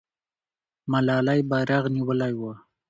ملالۍ بیرغ نیولی وو.